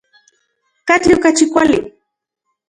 ¿Katli okachi kuali?